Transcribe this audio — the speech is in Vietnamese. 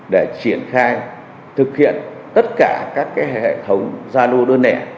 để triển khai thực hiện tất cả các hệ thống gia lô đơn